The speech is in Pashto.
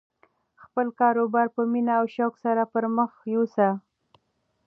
خپل کاروبار په مینه او شوق سره پرمخ یوسه.